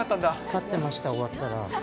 勝ってました、終わったら。